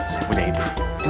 saya punya ide